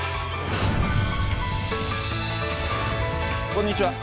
こんにちは。